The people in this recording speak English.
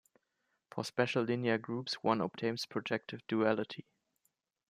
For special linear groups, one obtains projective duality.